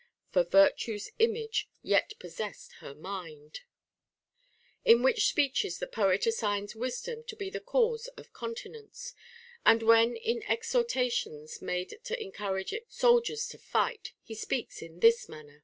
For virtue's image yet possessed her mind :| in which speeches the poet assigns wisdom to be the cause of continence. And when in exhortations made to encour age soldiers to fight, he speaks in this manner :—* II. XIII. 354. t Odyss.